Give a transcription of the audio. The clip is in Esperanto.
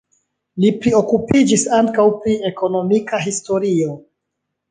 Li priokupiĝis ankaŭ pri ekonomika historio.